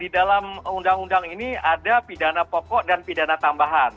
di dalam undang undang ini ada pidana pokok dan pidana tambahan